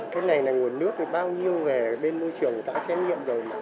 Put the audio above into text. cái này là nguồn nước bao nhiêu về bên môi trường đã xét nghiệm rồi